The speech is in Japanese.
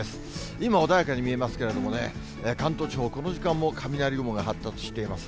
今穏やかに見えますけれどもね、関東地方、この時間も雷雲が発達しています。